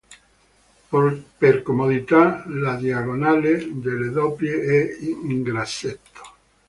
Per comodità, la diagonale delle doppie è in grassetto.